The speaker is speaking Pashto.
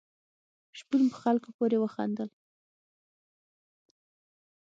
شپون په خلکو پورې وخندل.